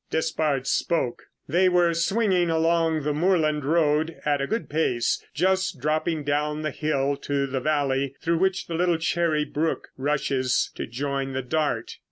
Despard spoke; they were swinging along the moorland road at a good pace, just dropping down the hill to the valley through which the little Cherry Brook rushes to join the Dart.